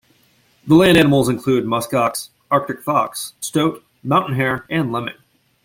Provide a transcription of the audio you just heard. The land animals include muskox, Arctic fox, stoat, mountain hare and lemming.